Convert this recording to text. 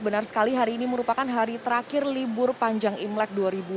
benar sekali hari ini merupakan hari terakhir libur panjang imlek dua ribu dua puluh